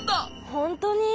ほんとに？